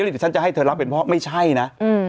เดี๋ยวฉันจะให้เธอรับเป็นพ่อไม่ใช่นะ